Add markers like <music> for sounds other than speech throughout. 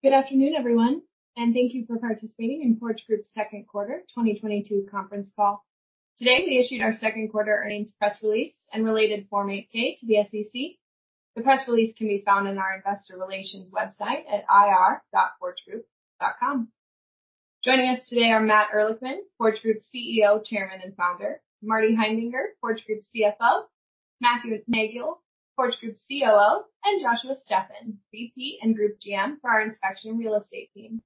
Good afternoon, everyone, and thank you for participating in Porch Group's second quarter 2022 conference call. Today, we issued our second quarter earnings press release and related form 8-K to the SEC. The press release can be found on our investor relations website at ir.porchgroup.com. Joining us today are Matt Ehrlichman, Porch Group's CEO, chairman, and founder, Marty Heimbigner, Porch Group CFO, Matthew Neagle, Porch Group COO, and Joshua Steffan, VP and group GM for our inspection real estate team.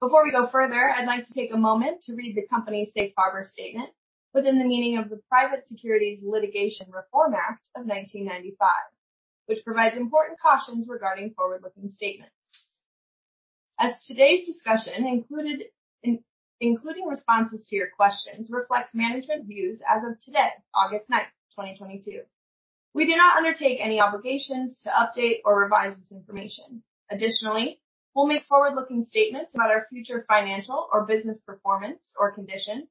Before we go further, I'd like to take a moment to read the company's safe harbor statement within the meaning of the Private Securities Litigation Reform Act of 1995, which provides important cautions regarding forward-looking statements. As today's discussion, including responses to your questions, reflects management views as of today, August 9, 2022. We do not undertake any obligations to update or revise this information. Additionally, we'll make forward-looking statements about our future financial or business performance or conditions,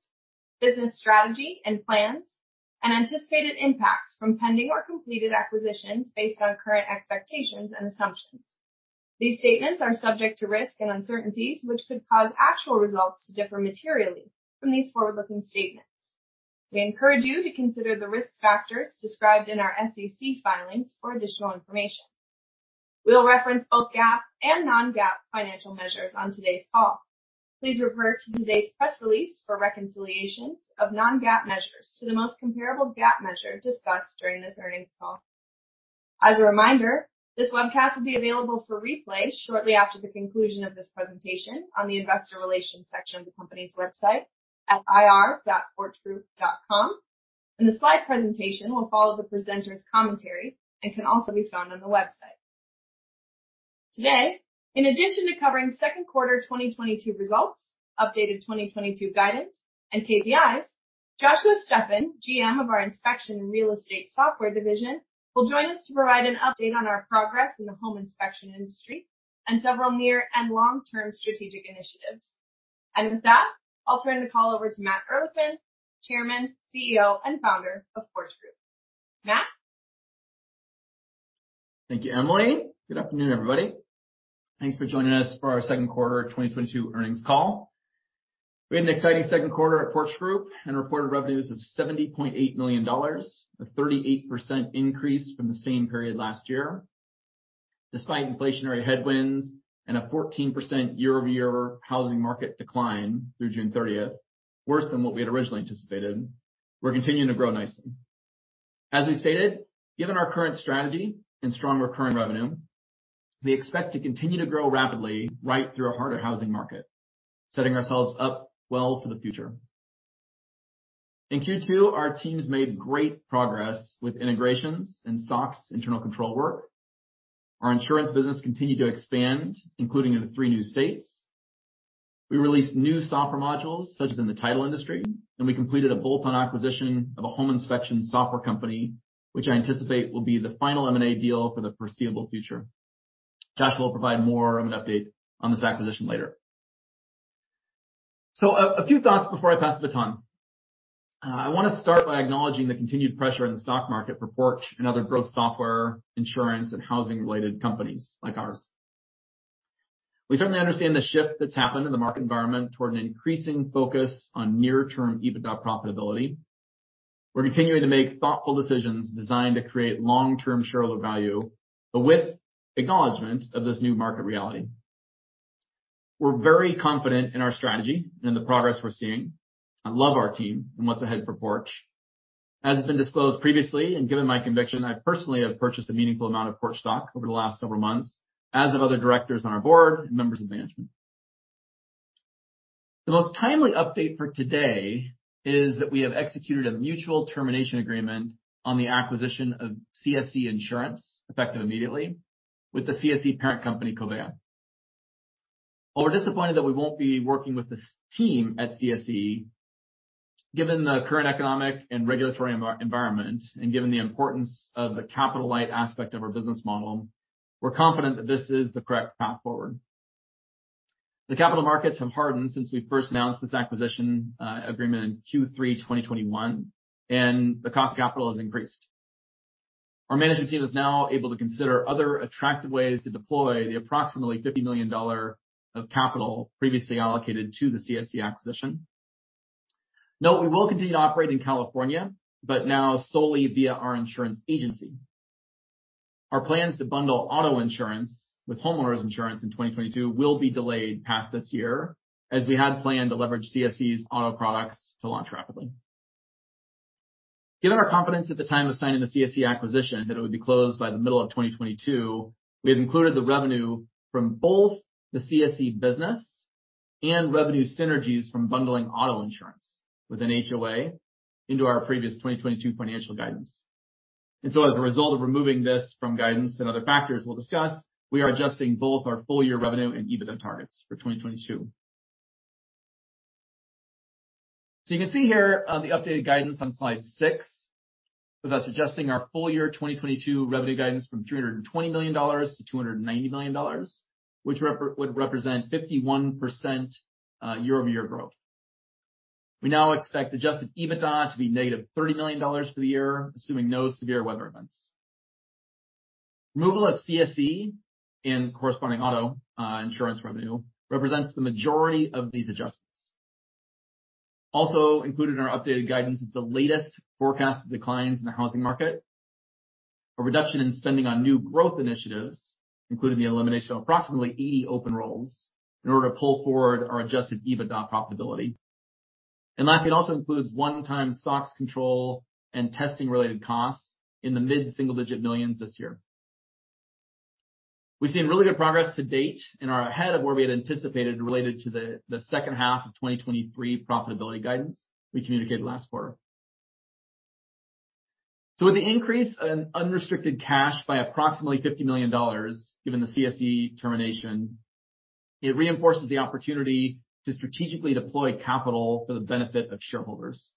business strategy and plans, and anticipated impacts from pending or completed acquisitions based on current expectations and assumptions. These statements are subject to risks and uncertainties, which could cause actual results to differ materially from these forward-looking statements. We encourage you to consider the risk factors described in our SEC filings for additional information. We'll reference both GAAP and non-GAAP financial measures on today's call. Please refer to today's press release for reconciliations of non-GAAP measures to the most comparable GAAP measure discussed during this earnings call. As a reminder, this webcast will be available for replay shortly after the conclusion of this presentation on the investor relations section of the company's website at ir.porchgroup.com. The slide presentation will follow the presenters' commentary and can also be found on the website. Today, in addition to covering second quarter 2022 results, updated 2022 guidance and KPIs, Joshua Steffan, GM of our inspection real estate software division, will join us to provide an update on our progress in the home inspection industry and several near and long-term strategic initiatives. With that, I'll turn the call over to Matt Ehrlichman, Chairman, CEO, and Founder of Porch Group. Matt. Thank you, Emily. Good afternoon, everybody. Thanks for joining us for our second quarter 2022 earnings call. We had an exciting second quarter at Porch Group and reported revenues of $70.8 million, a 38% increase from the same period last year. Despite inflationary headwinds and a 14% year-over-year housing market decline through June 30th, worse than what we had originally anticipated, we're continuing to grow nicely. As we stated, given our current strategy and stronger current revenue, we expect to continue to grow rapidly right through a harder housing market, setting ourselves up well for the future. In Q2, our teams made great progress with integrations and SOX internal control work. Our insurance business continued to expand, including in three new states. We released new software modules such as in the title industry, and we completed a bolt-on acquisition of a home inspection software company, which I anticipate will be the final M&A deal for the foreseeable future. Josh will provide more of an update on this acquisition later. A few thoughts before I pass the baton. I wanna start by acknowledging the continued pressure in the stock market for Porch and other growth software, insurance, and housing-related companies like ours. We certainly understand the shift that's happened in the market environment toward an increasing focus on near-term EBITDA profitability. We're continuing to make thoughtful decisions designed to create long-term shareholder value, but with acknowledgement of this new market reality. We're very confident in our strategy and the progress we're seeing. I love our team and what's ahead for Porch. As has been disclosed previously and given my conviction, I personally have purchased a meaningful amount of Porch stock over the last several months, as have other directors on our board and members of management. The most timely update for today is that we have executed a mutual termination agreement on the acquisition of CSE Insurance, effective immediately, with the CSE parent company, Covéa. While we're disappointed that we won't be working with the CSE team at CSE, given the current economic and regulatory environment and given the importance of the capital-light aspect of our business model, we're confident that this is the correct path forward. The capital markets have hardened since we first announced this acquisition, agreement in Q3 2021, and the cost of capital has increased. Our management team is now able to consider other attractive ways to deploy the approximately $50 million of capital previously allocated to the CSE acquisition. Note we will continue to operate in California, but now solely via our insurance agency. Our plans to bundle auto insurance with homeowners insurance in 2022 will be delayed past this year, as we had planned to leverage CSE's auto products to launch rapidly. Given our confidence at the time of signing the CSE acquisition that it would be closed by the middle of 2022, we have included the revenue from both the CSE business and revenue synergies from bundling auto insurance within HOA into our previous 2022 financial guidance. As a result of removing this from guidance and other factors we'll discuss, we are adjusting both our full year revenue and EBITDA targets for 2022. You can see here on the updated guidance on slide six that that's adjusting our full year 2022 revenue guidance from $320 million to $290 million, which would represent 51% year-over-year growth. We now expect adjusted EBITDA to be negative $30 million for the year, assuming no severe weather events. Removal of CSE and corresponding auto insurance revenue represents the majority of these adjustments. Also included in our updated guidance is the latest forecast declines in the housing market. A reduction in spending on new growth initiatives, including the elimination of approximately 80 open roles in order to pull forward our adjusted EBITDA profitability. Lastly, it also includes one-time SOX control and testing related costs in the mid-single-digit millions this year. We've seen really good progress to date and are ahead of where we had anticipated related to the second half of 2023 profitability guidance we communicated last quarter. With the increase in unrestricted cash by approximately $50 million, given the CSE termination, it reinforces the opportunity to strategically deploy capital for the benefit of shareholders.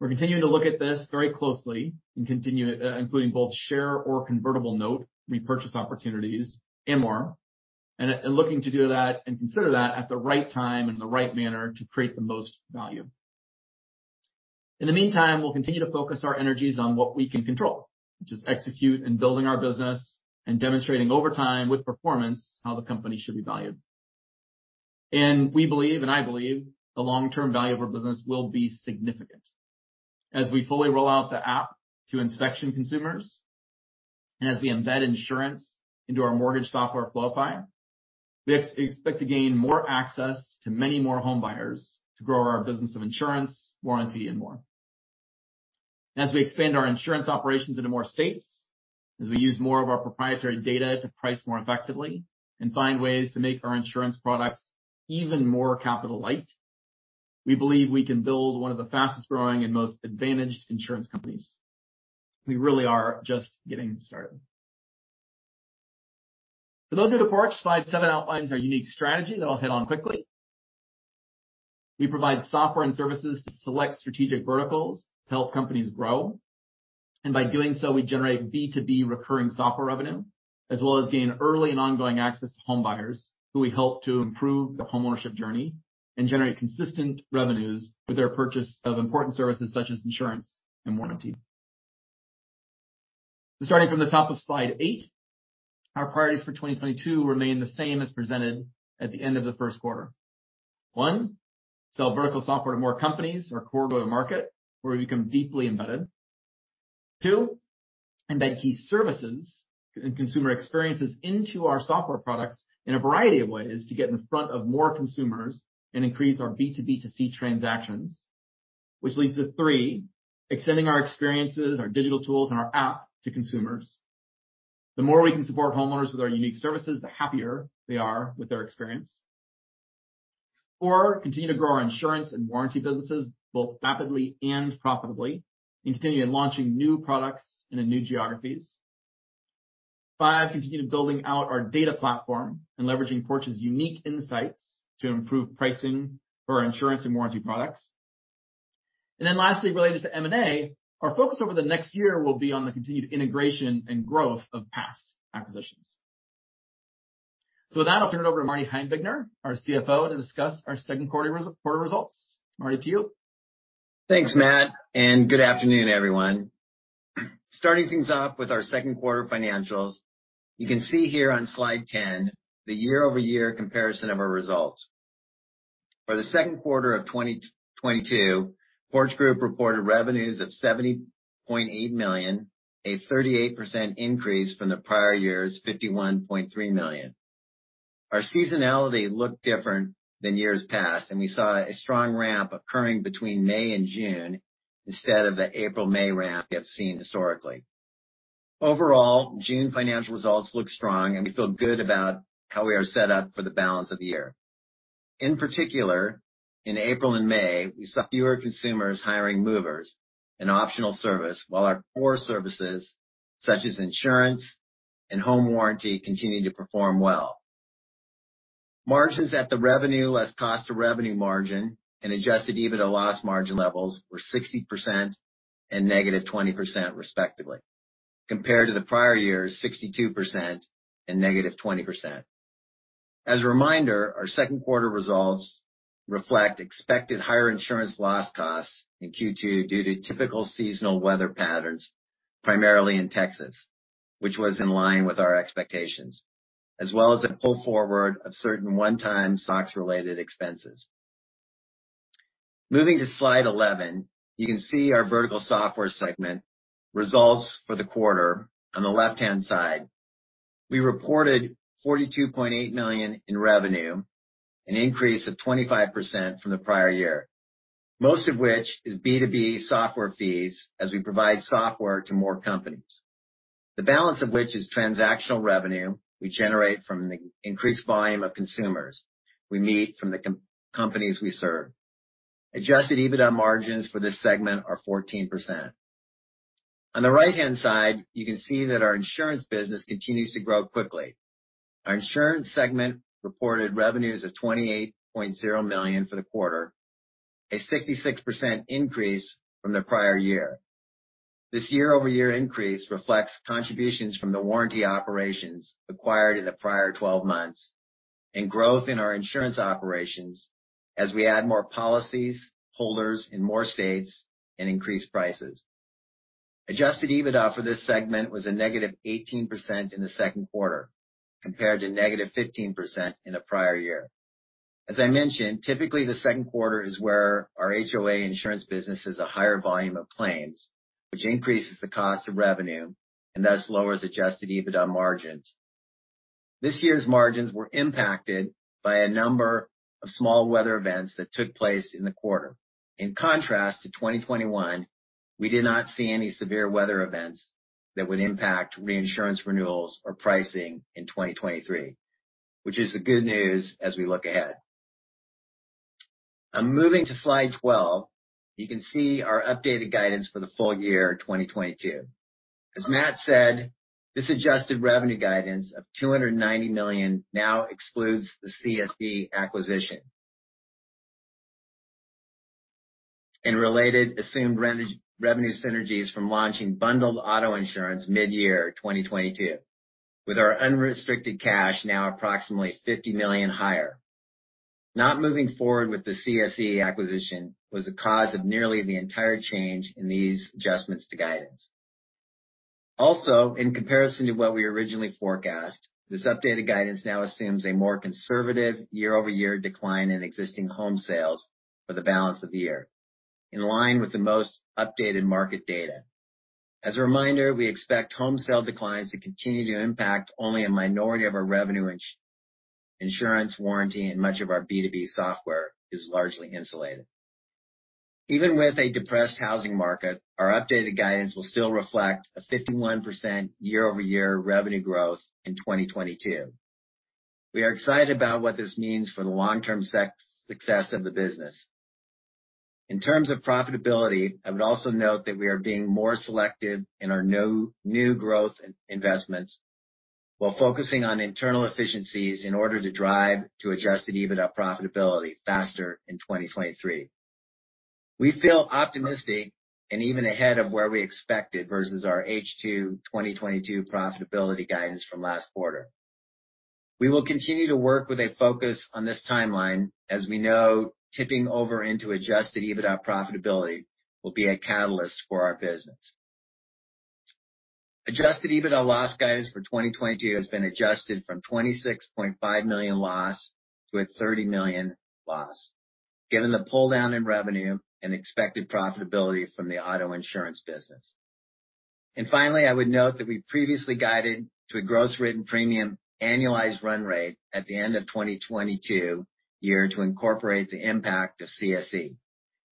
We're continuing to look at this very closely and continue including both share or convertible note repurchase opportunities and more, and looking to do that and consider that at the right time and in the right manner to create the most value. In the meantime, we'll continue to focus our energies on what we can control, which is execute in building our business and demonstrating over time with performance how the company should be valued. We believe, and I believe the long-term value of our business will be significant. As we fully roll out the app to inspection consumers, and as we embed insurance into our mortgage software, Floify, we expect to gain more access to many more home buyers to grow our business of insurance, warranty, and more. As we expand our insurance operations into more states, as we use more of our proprietary data to price more effectively and find ways to make our insurance products even more capital light, we believe we can build one of the fastest-growing and most advantaged insurance companies. We really are just getting started. For those new to Porch, slide seven outlines our unique strategy that I'll hit on quickly. We provide software and services to select strategic verticals to help companies grow. By doing so, we generate B2B recurring software revenue, as well as gain early and ongoing access to homebuyers who we help to improve the homeownership journey and generate consistent revenues with their purchase of important services such as insurance and warranty. Starting from the top of slide 8, our priorities for 2022 remain the same as presented at the end of the first quarter. One, sell vertical software to more companies in our core go-to-market, where we become deeply embedded. Two, embed key services and consumer experiences into our software products in a variety of ways to get in front of more consumers and increase our B2B2C transactions. Which leads to three, extending our experiences, our digital tools, and our app to consumers. The more we can support homeowners with our unique services, the happier they are with their experience. Four, continue to grow our insurance and warranty businesses both rapidly and profitably, and continue launching new products into new geographies. Five, continue building out our data platform and leveraging Porch's unique insights to improve pricing for our insurance and warranty products. Then lastly, related to M&A, our focus over the next year will be on the continued integration and growth of past acquisitions. With that, I'll turn it over to Marty Heimbigner, our CFO, to discuss our second quarter results. Marty, to you. Thanks, Matt, and good afternoon, everyone. Starting things off with our second quarter financials. You can see here on slide 10 the year-over-year comparison of our results. For the second quarter of 2022, Porch Group reported revenues of $70.8 million, a 38% increase from the prior year's $51.3 million. Our seasonality looked different than years past, and we saw a strong ramp occurring between May and June instead of the April-May ramp we have seen historically. Overall, June financial results look strong and we feel good about how we are set up for the balance of the year. In particular, in April and May, we saw fewer consumers hiring movers, an optional service, while our core services, such as insurance and home warranty, continued to perform well. Margins at the revenue as cost to revenue margin and adjusted EBITDA loss margin levels were 60% and -20% respectively, compared to the prior year's 62% and -20%. Our second quarter results reflect expected higher insurance loss costs in Q2 due to typical seasonal weather patterns, primarily in Texas, which was in line with our expectations, as well as a pull forward of certain one-time stocks related expenses. Moving to slide 11, you can see our vertical software segment results for the quarter on the left-hand side. We reported $42.8 million in revenue, an increase of 25% from the prior year, most of which is B2B software fees as we provide software to more companies. The balance of which is transactional revenue we generate from the increased volume of consumers we meet from the companies we serve. Adjusted EBITDA margins for this segment are 14%. On the right-hand side, you can see that our insurance business continues to grow quickly. Our insurance segment reported revenues of $28.0 million for the quarter, a 66% increase from the prior year. This year-over-year increase reflects contributions from the warranty operations acquired in the prior twelve months and growth in our insurance operations as we add more policyholders in more states and increased prices. Adjusted EBITDA for this segment was -18% in the second quarter compared to -15% in the prior year. As I mentioned, typically the second quarter is where our HOA insurance business has a higher volume of claims, which increases the cost of revenue and thus lowers adjusted EBITDA margins. This year's margins were impacted by a number of small weather events that took place in the quarter. In contrast to 2021, we did not see any severe weather events that would impact reinsurance renewals or pricing in 2023, which is the good news as we look ahead. Now moving to slide 12, you can see our updated guidance for the full year 2022. As Matt said, this adjusted revenue guidance of $290 million now excludes the CSE acquisition and related assumed run-rate revenue synergies from launching bundled auto insurance mid-year 2022, with our unrestricted cash now approximately $50 million higher. Not moving forward with the CSE acquisition was the cause of nearly the entire change in these adjustments to guidance. Also, in comparison to what we originally forecast, this updated guidance now assumes a more conservative year-over-year decline in existing home sales for the balance of the year, in line with the most updated market data. As a reminder, we expect home sale declines to continue to impact only a minority of our revenue insurance warranty, and much of our B2B software is largely insulated. Even with a depressed housing market, our updated guidance will still reflect a 51% year-over-year revenue growth in 2022. We are excited about what this means for the long-term success of the business. In terms of profitability, I would also note that we are being more selective in our no-new growth in investments while focusing on internal efficiencies in order to drive to adjusted EBITDA profitability faster in 2023. We feel optimistic and even ahead of where we expected versus our H2 2022 profitability guidance from last quarter. We will continue to work with a focus on this timeline. As we know, tipping over into adjusted EBITDA profitability will be a catalyst for our business. Adjusted EBITDA loss guidance for 2022 has been adjusted from $26.5 million loss to a $30 million loss, given the pull-down in revenue and expected profitability from the auto insurance business. Finally, I would note that we previously guided to a gross written premium annualized run rate at the end of 2022 to incorporate the impact of CSE.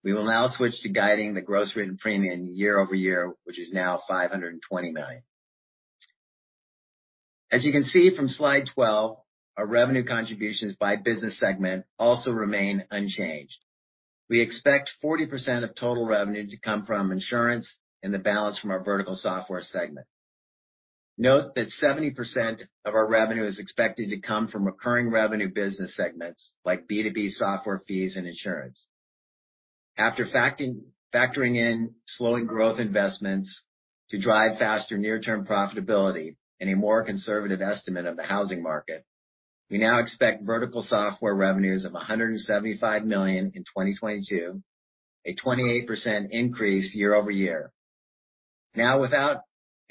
We will now switch to guiding the gross written premium year over year, which is now $520 million. As you can see from slide 12, our revenue contributions by business segment also remain unchanged. We expect 40% of total revenue to come from insurance and the balance from our vertical software segment. Note that 70% of our revenue is expected to come from recurring revenue business segments like B2B software fees and insurance. After factoring in slowing growth investments to drive faster near-term profitability and a more conservative estimate of the housing market, we now expect vertical software revenues of $175 million in 2022, a 28% increase year over year. Now, without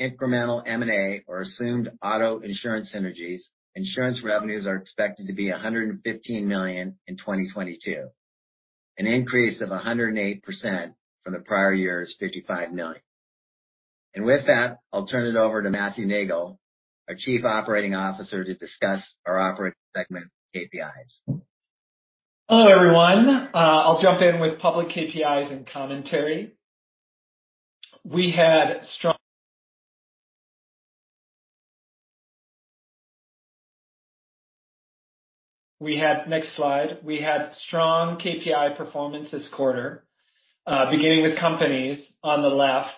incremental M&A or assumed auto insurance synergies, insurance revenues are expected to be $115 million in 2022, an increase of 108% from the prior year's $55 million. With that, I'll turn it over to Matthew Neagle, our Chief Operating Officer, to discuss our operating segment KPIs. Hello, everyone. I'll jump in with public KPIs and commentary. Next slide. We had strong KPI performance this quarter, beginning with companies on the left.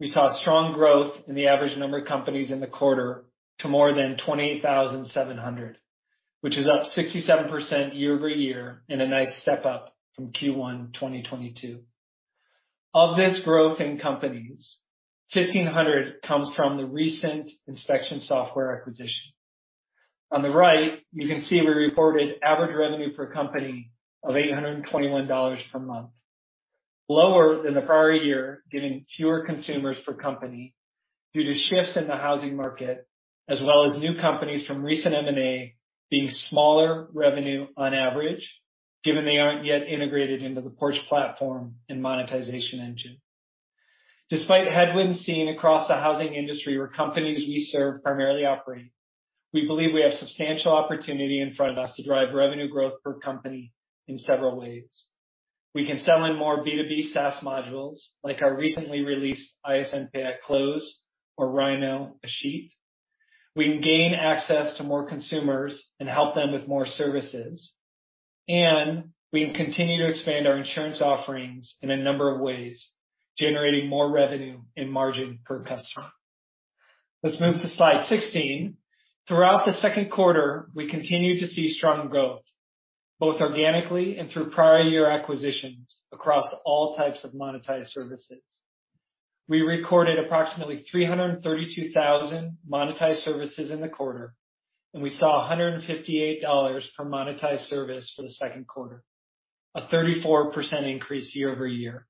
We saw strong growth in the average number of companies in the quarter to more than 28,700, which is up 67% year-over-year and a nice step up from Q1 2022. Of this growth in companies, 1,500 comes from the recent inspection software acquisition. On the right, you can see we reported average revenue per company of $821 per month, lower than the prior year, given fewer consumers per company due to shifts in the housing market, as well as new companies from recent M&A being smaller revenue on average, given they aren't yet integrated into the Porch platform and monetization engine. Despite headwinds seen across the housing industry where companies we serve primarily operate, we believe we have substantial opportunity in front of us to drive revenue growth per company in several ways. We can sell in more B2B SaaS modules like our recently released ISN Pay at Close or Rynoh, a suite. We can gain access to more consumers and help them with more services, and we can continue to expand our insurance offerings in a number of ways, generating more revenue and margin per customer. Let's move to slide 16. Throughout the second quarter, we continued to see strong growth, both organically and through prior year acquisitions across all types of monetized services. We recorded approximately 332,000 monetized services in the quarter, and we saw $158 per monetized service for the second quarter, a 34% increase year-over-year.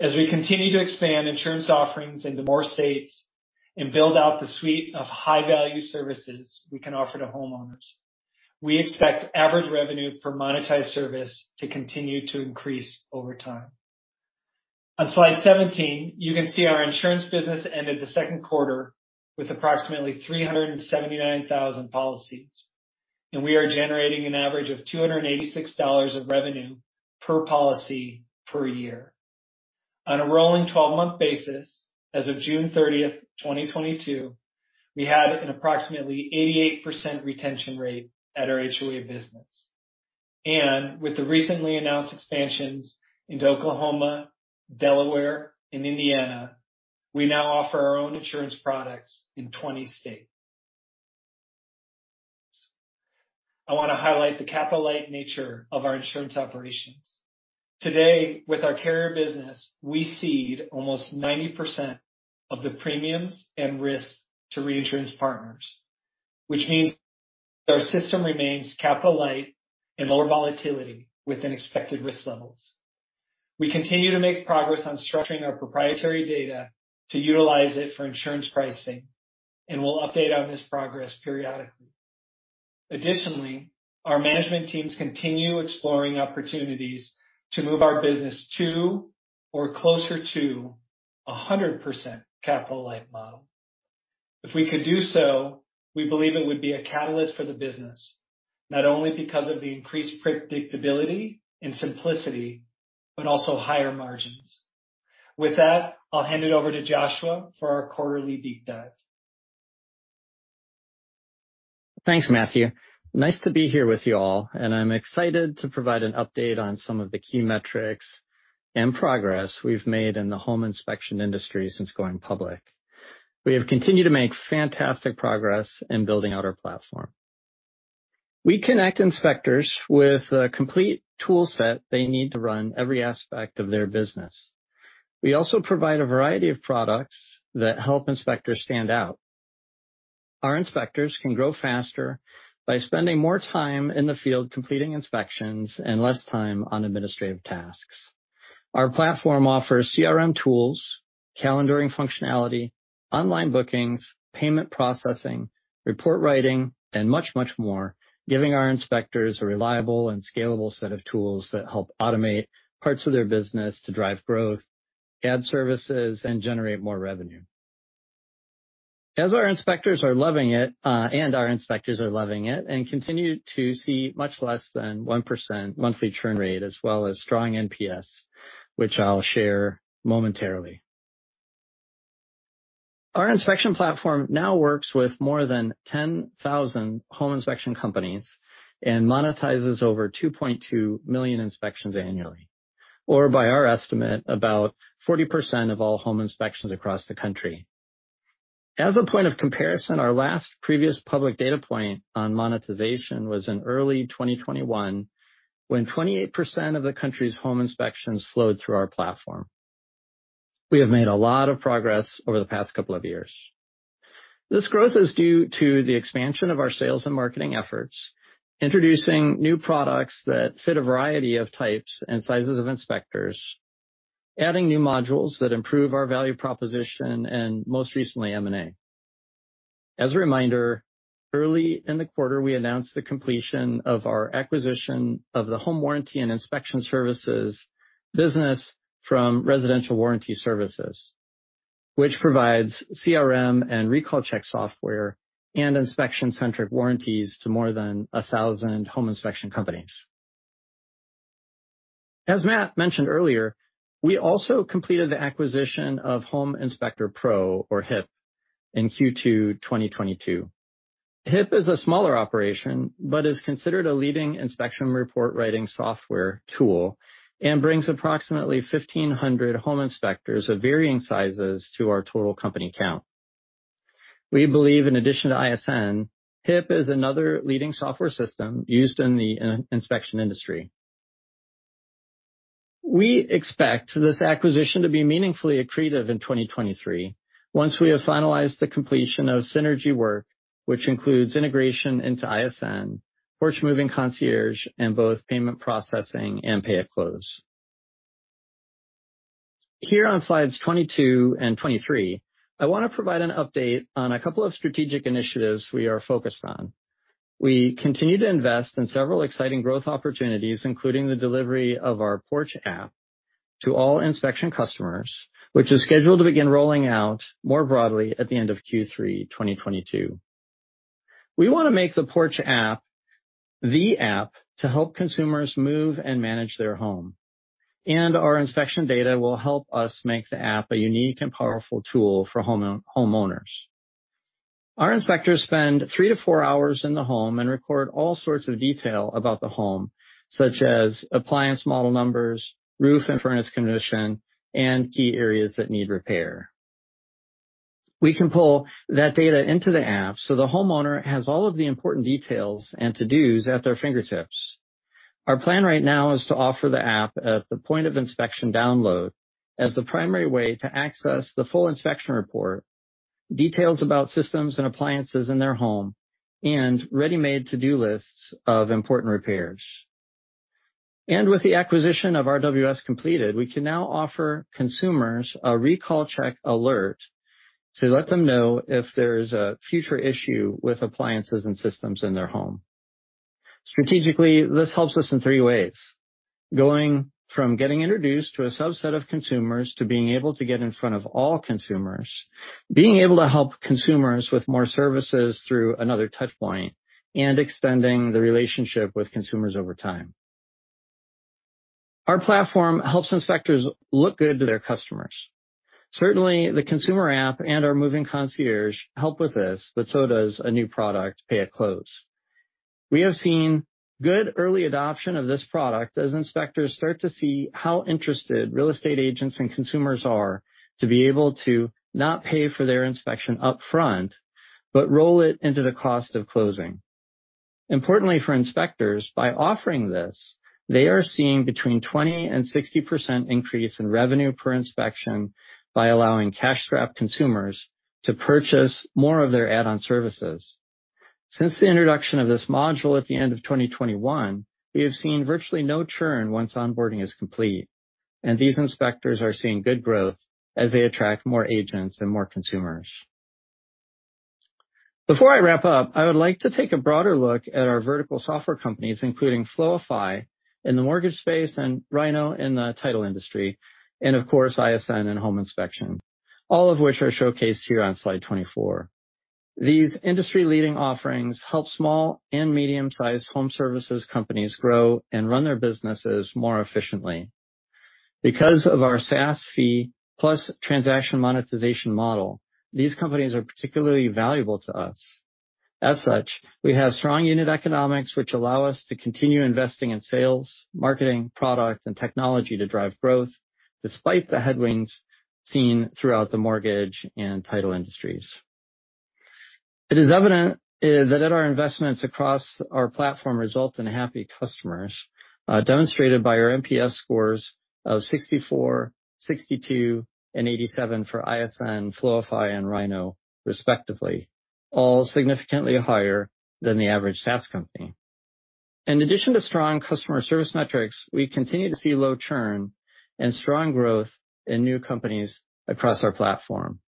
As we continue to expand insurance offerings into more states and build out the suite of high-value services we can offer to homeowners, we expect average revenue per monetized service to continue to increase over time. On slide 17, you can see our insurance business ended the second quarter with approximately 379,000 policies, and we are generating an average of $286 of revenue per policy per year. On a rolling 12-month basis, as of June 30, 2022, we had an approximately 88% retention rate at our HOA business. With the recently announced expansions into Oklahoma, Delaware, and Indiana, we now offer our own insurance products in 20 states. I wanna highlight the capital-light nature of our insurance operations. Today, with our carrier business, we cede almost 90% of the premiums and risks to reinsurance partners, which means our system remains capital light and lower volatility within expected risk levels. We continue to make progress on structuring our proprietary data to utilize it for insurance pricing, and we'll update on this progress periodically. Additionally, our management teams continue exploring opportunities to move our business to or closer to a 100% capital light model. If we could do so, we believe it would be a catalyst for the business, not only because of the increased predictability and simplicity, but also higher margins. With that, I'll hand it over to Joshua for our quarterly deep dive. Thanks, Matthew. Nice to be here with you all, and I'm excited to provide an update on some of the key metrics and progress we've made in the home inspection industry since going public. We have continued to make fantastic progress in building out our platform. We connect inspectors with the complete tool set they need to run every aspect of their business. We also provide a variety of products that help inspectors stand out. Our inspectors can grow faster by spending more time in the field completing inspections and less time on administrative tasks. Our platform offers CRM tools, calendaring functionality, online bookings, payment processing, report writing, and much, much more, giving our inspectors a reliable and scalable set of tools that help automate parts of their business to drive growth, add services, and generate more revenue. As our inspectors are loving it and continue to see much less than 1% monthly churn rate as well as strong NPS, which I'll share momentarily. Our inspection platform now works with more than 10,000 home inspection companies and monetizes over 2.2 million inspections annually. By our estimate, about 40% of all home inspections across the country. As a point of comparison, our last previous public data point on monetization was in early 2021, when 28% of the country's home inspections flowed through our platform. We have made a lot of progress over the past couple of years. This growth is due to the expansion of our sales and marketing efforts, introducing new products that fit a variety of types and sizes of inspectors, adding new modules that improve our value proposition and most recently, M&A. As a reminder, early in the quarter, we announced the completion of our acquisition of the home warranty and inspection services business from Residential Warranty Services, which provides CRM and recall check software and inspection-centric warranties to more than 1,000 home inspection companies. As Matt mentioned earlier, we also completed the acquisition of Home Inspector Pro or HIP in Q2 2022. HIP is a smaller operation, but is considered a leading inspection report writing software tool and brings approximately 1,500 home inspectors of varying sizes to our total company count. We believe in addition to ISN, HIP is another leading software system used in the home inspection industry. We expect this acquisition to be meaningfully accretive in 2023 once we have finalized the completion of synergy work, which includes integration into ISN, Porch Moving Concierge, and both payment processing and Pay at Close. Here on slides 22 and 23, I wanna provide an update on a couple of strategic initiatives we are focused on. We continue to invest in several exciting growth opportunities, including the delivery of our Porch app to all inspection customers, which is scheduled to begin rolling out more broadly at the end of Q3 2022. We wanna make the Porch app the app to help consumers move and manage their home. Our inspection data will help us make the app a unique and powerful tool for homeowners. Our inspectors spend three to four hours in the home and record all sorts of detail about the home, such as appliance model numbers, roof and furnace condition, and key areas that need repair. We can pull that data into the app so the homeowner has all of the important details and to-dos at their fingertips. Our plan right now is to offer the app at the point of inspection download as the primary way to access the full inspection report, details about systems and appliances in their home, and ready-made to-do lists of important repairs. With the acquisition of RWS completed, we can now offer consumers a recall check alert to let them know if there is a future issue with appliances and systems in their home. Strategically, this helps us in three ways. Going from getting introduced to a subset of consumers to being able to get in front of all consumers, being able to help consumers with more services through another touch point, and extending the relationship with consumers over time. Our platform helps inspectors look good to their customers. Certainly, the consumer app and our Porch Moving Concierge help with this, but so does a new product, Pay at Close. We have seen good early adoption of this product as inspectors start to see how interested real estate agents and consumers are to be able to not pay for their inspection upfront, but roll it into the cost of closing. Importantly, for inspectors, by offering this, they are seeing between 20% and 60% increase in revenue per inspection by allowing cash-strapped consumers to purchase more of their add-on services. Since the introduction of this module at the end of 2021, we have seen virtually no churn once onboarding is complete, and these inspectors are seeing good growth as they attract more agents and more consumers. Before I wrap up, I would like to take a broader look at our vertical software companies, including Floify in the mortgage space and Rynoh in the title industry, and of course, ISN in home inspection, all of which are showcased here on slide 24. These industry-leading offerings help small and medium-sized home services companies grow and run their businesses more efficiently. Because of our SaaS fee plus transaction monetization model, these companies are particularly valuable to us. As such, we have strong unit economics, which allow us to continue investing in sales, marketing, product, and technology to drive growth despite the headwinds seen throughout the mortgage and title industries. It is evident that our investments across our platform result in happy customers, demonstrated by our NPS scores of 64, 62, and 87 for ISN, Floify, and Rynoh, respectively, all significantly higher than the average SaaS company. In addition to strong customer service metrics, we continue to see low churn and strong growth in new companies across our platform.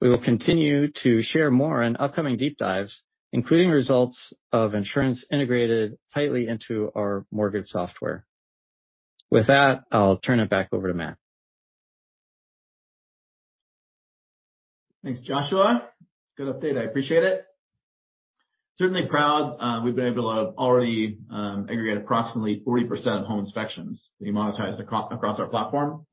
We will continue to share more in upcoming deep dives, including results of insurance integrated tightly into our mortgage software. With that, I'll turn it back over to Matt. Thanks, Joshua. Good update. I appreciate it. Certainly proud we've been able to already aggregate approximately 40% of home inspections we monetize across our platform,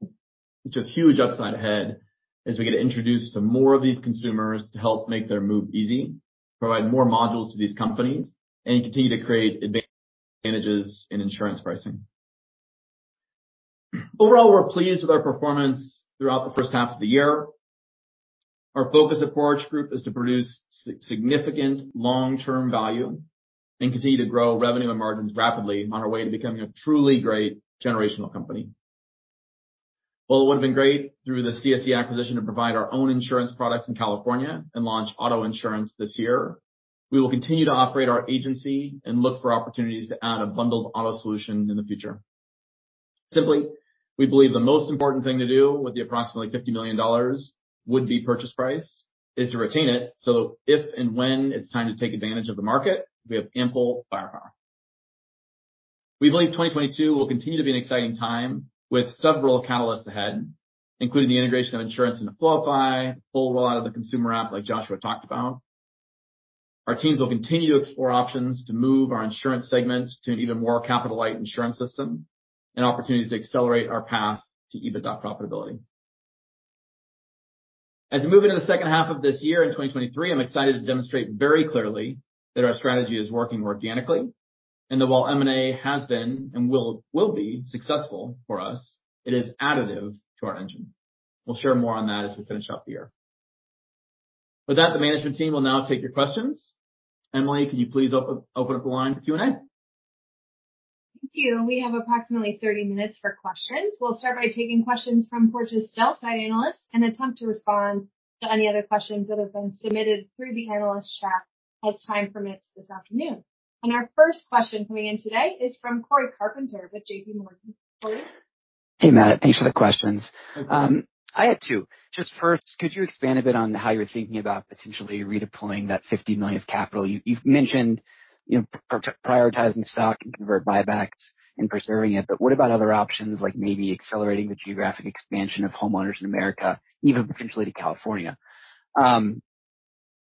which is huge upside ahead as we get introduced to more of these consumers to help make their move easy, provide more modules to these companies, and continue to create advantages in insurance pricing. Overall, we're pleased with our performance throughout the first half of the year. Our focus at Porch Group is to produce significant long-term value and continue to grow revenue and margins rapidly on our way to becoming a truly great generational company. While it would have been great through the CSE acquisition to provide our own insurance products in California and launch auto insurance this year, we will continue to operate our agency and look for opportunities to add a bundled auto solution in the future. Simply, we believe the most important thing to do with the approximately $50 million would be purchase price is to retain it, so if and when it's time to take advantage of the market, we have ample firepower. We believe 2022 will continue to be an exciting time with several catalysts ahead, including the integration of insurance into Floify, the full rollout of the consumer app, like Joshua talked about. Our teams will continue to explore options to move our insurance segments to an even more capital-light insurance system and opportunities to accelerate our path to EBITDA profitability. As we move into the second half of this year in 2023, I'm excited to demonstrate very clearly that our strategy is working organically, and that while M&A has been and will be successful for us, it is additive to our engine. We'll share more on that as we finish out the year. With that, the management team will now take your questions. Emily, could you please open up the line for Q&A? Thank you. We have approximately 30 minutes for questions. We'll start by taking questions from Porch's sell-side analysts and attempt to respond to any other questions that have been submitted through the analyst chat as time permits this afternoon. Our first question coming in today is from Cory Carpenter with JPMorgan. Cory? Hey, Matt. Thanks for the questions. Hey, Cory. I had two. Just first, could you expand a bit on how you're thinking about potentially redeploying that $50 million of capital? You've mentioned, you know, prioritizing stock and convert buybacks and preserving it, but what about other options, like maybe accelerating the geographic expansion of Homeowners of America, even potentially to California?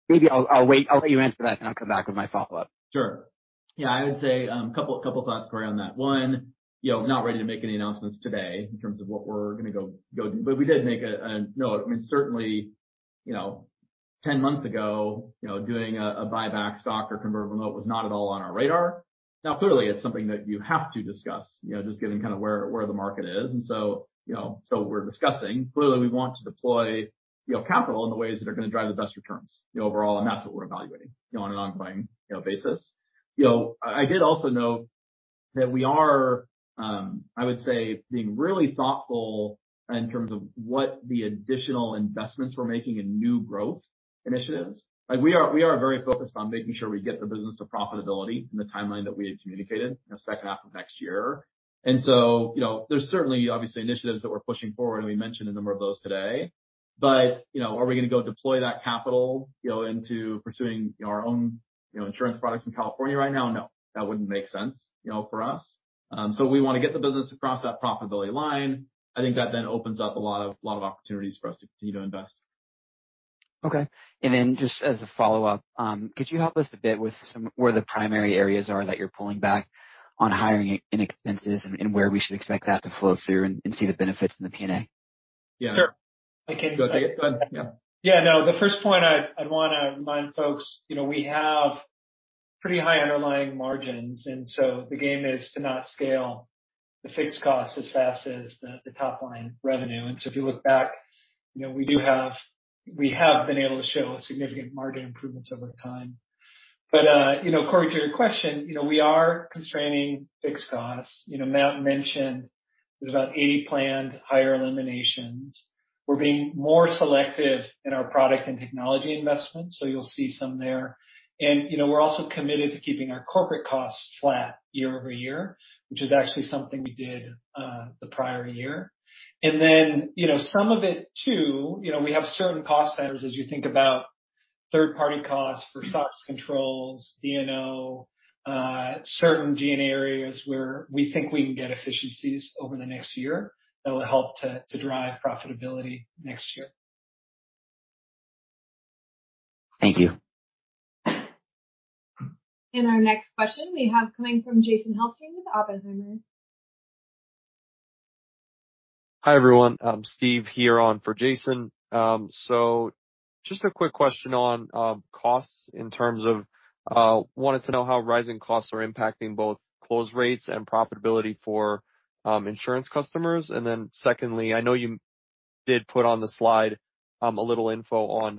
Maybe I'll wait. I'll let you answer that, then I'll come back with my follow-up. Sure. Yeah, I would say, couple of thoughts, Cory, on that. One, you know, not ready to make any announcements today in terms of what we're gonna go do. I mean, certainly, you know, 10 months ago, you know, doing a stock buyback or convertible note was not at all on our radar. Now, clearly, it's something that you have to discuss, you know, just given kind of where the market is, and so, you know, so we're discussing. Clearly, we want to deploy, you know, capital in the ways that are gonna drive the best returns, you know, overall, and that's what we're evaluating, you know, on an ongoing, you know, basis. You know, I did also note that we are, I would say being really thoughtful in terms of what the additional investments we're making in new growth initiatives. Like, we are very focused on making sure we get the business to profitability in the timeline that we had communicated, you know, second half of next year. You know, there's certainly obviously initiatives that we're pushing forward, and we mentioned a number of those today. You know, are we gonna go deploy that capital, you know, into pursuing, you know, our own, you know, insurance products in California right now? No, that wouldn't make sense, you know, for us. We wanna get the business across that profitability line. I think that then opens up a lot of opportunities for us to continue to invest. Okay. Just as a follow-up, could you help us a bit with some, where the primary areas are that you're pulling back on hiring and expenses and where we should expect that to flow through and see the benefits in the P&L? Yeah. Sure. I can. Go ahead. Yeah. Yeah, no. The first point I'd wanna remind folks, you know, we have pretty high underlying margins, and so the game is to not scale the fixed costs as fast as the top line revenue. If you look back, you know, we have been able to show a significant margin improvements over time. You know, Cory, to your question, you know, we are constraining fixed costs. You know, Matt mentioned there's about 80 planned hire eliminations. We're being more selective in our product and technology investments, so you'll see some there. You know, we're also committed to keeping our corporate costs flat year-over-year, which is actually something we did the prior year. You know, some of it too, you know, we have certain cost centers as you think about third-party costs for SOX controls, D&O, certain G&A areas where we think we can get efficiencies over the next year that will help to drive profitability next year. Thank you. Our next question we have coming from Jason Helfstein with Oppenheimer. Hi, everyone. Steve here in for Jason. Just a quick question on costs in terms of wanted to know how rising costs are impacting both close rates and profitability for insurance customers. Secondly, I know you did put on the slide a little info on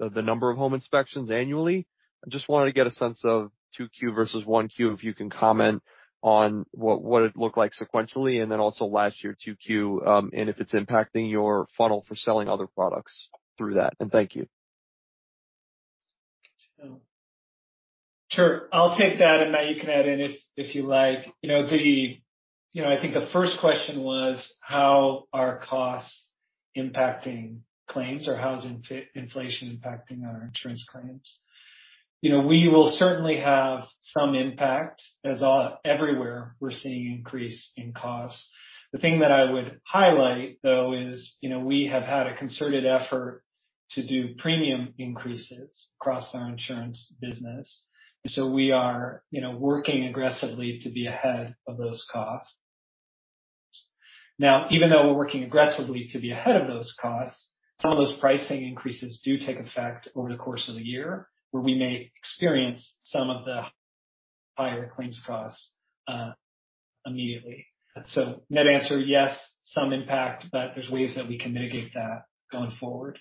the number of home inspections annually. I just wanted to get a sense of 2Q versus 1Q, if you can comment on what it looked like sequentially and then also last year 2Q, and if it's impacting your funnel for selling other products through that. Thank you. Sure. I'll take that, and Matt, you can add in if you like. You know, I think the first question was how are costs impacting claims or how is inflation impacting our insurance claims? You know, we will certainly have some impact as everywhere we're seeing increase in costs. The thing that I would highlight, though, is you know, we have had a concerted effort to do premium increases across our insurance business. And so we are, you know, working aggressively to be ahead of those costs. Now, even though we're working aggressively to be ahead of those costs, some of those pricing increases do take effect over the course of the year, where we may experience some of the higher claims costs immediately. Net answer, yes, some impact, but there's ways that we can mitigate that going forward.